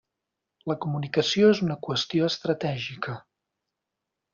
La comunicació és una qüestió estratègica.